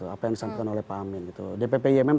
apa yang disampaikan oleh pak amin dppimm